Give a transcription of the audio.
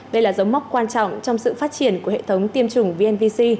đây là dấu mốc quan trọng trong sự phát triển của hệ thống tiêm chủng vnvc